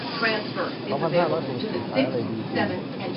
สองพันห้าร้อยหกสิบสี่ ขายอะไรดี ปี